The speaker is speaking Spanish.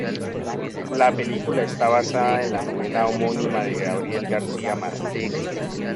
La película está basada en la novela homónima de Gabriel García Márquez.